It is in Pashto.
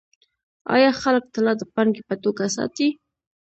آیا خلک طلا د پانګې په توګه ساتي؟